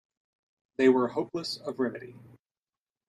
They were hopeless of remedy.